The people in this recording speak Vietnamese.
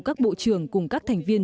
các bộ trưởng cùng các thành viên